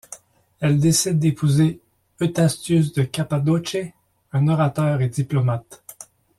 Elle décide d'épouser Eustathius de Cappadoce, un orateur et diplomate.